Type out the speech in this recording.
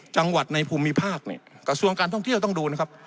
จังหวัดในภูมิภาคเนี่ยกระทรวงการท่องเที่ยวต้องดูนะครับ